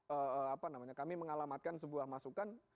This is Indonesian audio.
kami mengamanatkan sebuah apa namanya kami mengalamatkan sebuah masukan